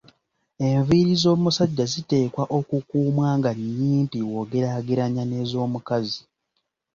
Enviiri z'omusajja ziteekwa okukuumwa nga nnyimpi bwogerageranya n'ezomukazi.